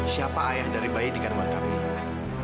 siapa ayah dari bayi di karniwara kabinet